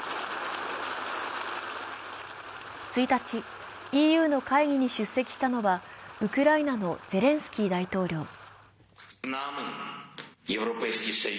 １日、ＥＵの会議に出席したのはウクライナのゼレンスキー大統領。